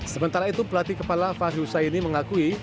sementara itu pelatih kepala fahri husaini mengakui